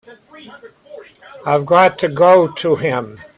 I've got to go to him.